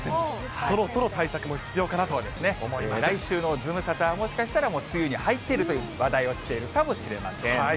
そろそろ対策も必要かなと思来週のズムサタは、もしかしたらもう梅雨に入っているという話題をしているかもしれません。